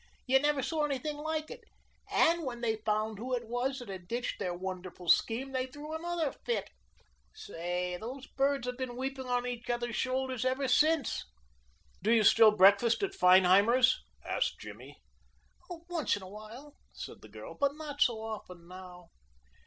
You never saw anything like it, and when they found who it was that had ditched their wonderful scheme they threw another fit. Say, those birds have been weeping on each other's shoulders ever since." "Do you still breakfast at Feinheimer's?" asked Jimmy. "Once in a while," said the girl, "but not so often now."